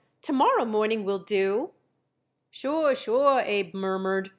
"To morrow morning will do." "Sure, sure," Abe murmured.